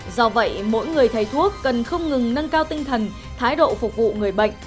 do vậy mỗi người thầy thuốc cần không ngừng nâng cao tinh thần thái độ phục vụ người bệnh